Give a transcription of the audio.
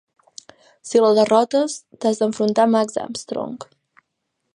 Si la derrotes, t'has d'enfrontar a Max Armstrong.